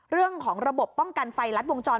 เรื่องของระบบป้องกันไฟลัดวงจร